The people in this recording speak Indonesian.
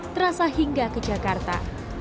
terasa hingga ke jakarta